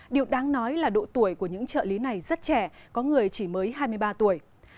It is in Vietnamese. điều đáng nói là độ tuổi của những trợ lý này rất trẻ có người chỉ mới hai mươi ba tuổi